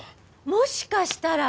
もしかしたら。